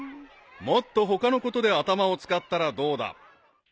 ［もっと他のことで頭を使ったらどうだ］